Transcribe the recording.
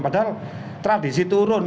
padahal tradisi turun